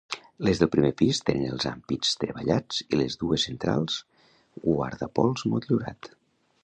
Les del primer pis tenen els ampits treballats i les dues centrals, guardapols motllurat.